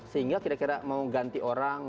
sehingga kira kira mau ganti orang